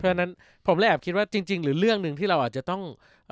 เพราะฉะนั้นผมเลยแอบคิดว่าจริงหรือเรื่องหนึ่งที่เราอาจจะต้อง